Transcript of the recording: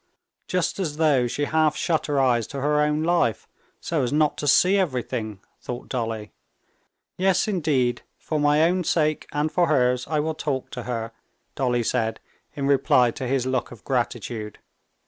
"Just as though she half shut her eyes to her own life, so as not to see everything," thought Dolly. "Yes, indeed, for my own sake and for hers I will talk to her," Dolly said in reply to his look of gratitude.